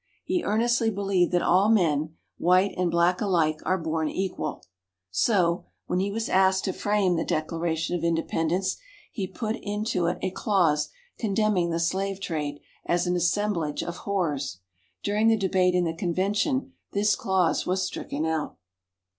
He earnestly believed that all men white and black alike are born equal. So, when he was asked to frame the Declaration of Independence, he put into it a clause condemning the slave trade, as an "assemblage of horrors." During the debate in the Convention, this clause was stricken out.